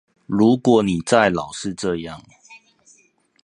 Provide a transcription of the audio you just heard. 如果你再老是這樣